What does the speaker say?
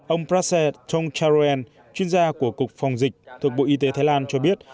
ông praset tongcharoen chuyên gia của cục phòng dịch thuộc bộ y tế thái lan cho biết